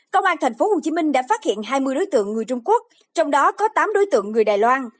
công an tp hcm đã phát hiện hai mươi đối tượng người trung quốc trong đó có tám đối tượng người đài loan